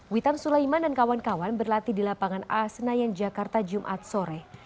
witan sulaiman dan kawan kawan berlatih di lapangan a senayan jakarta jumat sore